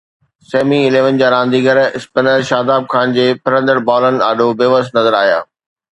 Semi اليون جا رانديگر اسپنر شاداب خان جي ڦرندڙ بالن آڏو بيوس نظر آيا.